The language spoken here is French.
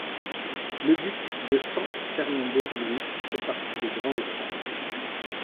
Le duc de San Fernando Luis fait partie des Grands d'Espagne.